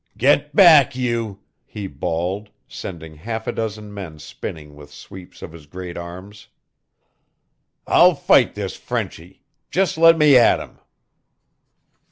"Get back you!" he bawled, sending half a dozen men spinning with sweeps of his great arms. "I'll fight this Frenchy. Just let me at him!"